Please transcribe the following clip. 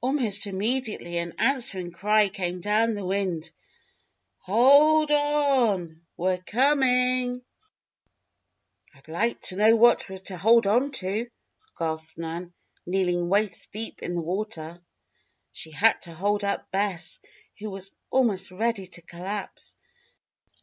Almost immediately an answering cry came down the wind: "Hold o on! We're coming!" "I'd like to know what we're to hold onto," gasped Nan, kneeling waist deep in the water. She had to hold up Bess, who was almost ready to collapse.